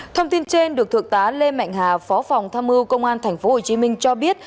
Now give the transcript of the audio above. thông tin trên được thượng tá lê mạnh hà phó phòng tham mưu công an tp hcm cho biết